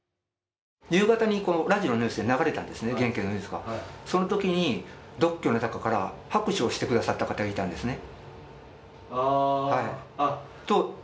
夕方にラジオのニュースで流れたんですね、減刑のニュースがそのときに、独居の中から拍手をしてくださった方がいたんですね。